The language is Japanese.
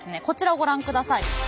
こちらをご覧ください。